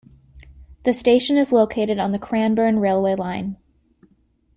The station is located on the Cranbourne railway line.